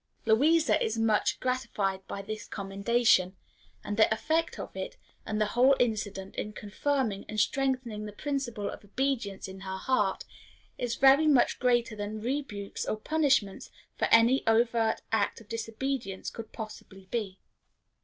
[Illustration: INDULGENCE.] Louisa is much gratified by this commendation, and the effect of it, and of the whole incident, in confirming and strengthening the principle of obedience in her heart, is very much greater than rebukes or punishments for any overt act of disobedience could possibly be.